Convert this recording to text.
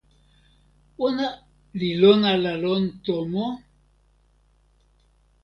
ona li lon ala lon tomo?